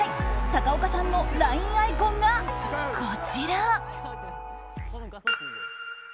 高岡さんのＬＩＮＥアイコンがこちら！